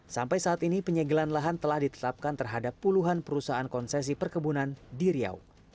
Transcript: sampai saat ini penyegelan lahan telah ditetapkan terhadap puluhan perusahaan konsesi perkebunan di riau